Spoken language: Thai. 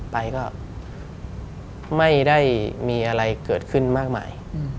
ไปก็ไม่ได้มีอะไรเกิดขึ้นมากมาย